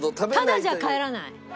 ただじゃ帰らない。